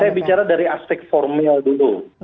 saya bicara dari aspek formil dulu